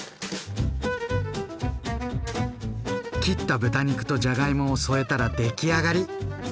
切った豚肉とじゃがいもを添えたら出来上がり！